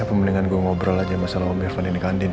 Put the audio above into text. ya pemeningan gua ngobrol aja masalah om irfan ini kandin ya